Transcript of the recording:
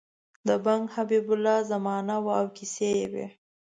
د بنګ حبیب الله زمانه وه او کیسې یې وې.